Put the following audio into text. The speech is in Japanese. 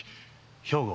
兵庫